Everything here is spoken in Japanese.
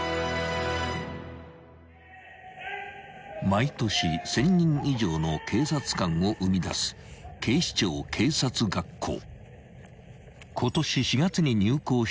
［毎年１，０００人以上の警察官を生み出す警視庁警察学校］